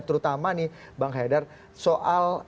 terutama nih bang haidar soal